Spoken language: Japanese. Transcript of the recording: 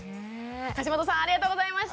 樫本さんありがとうございました。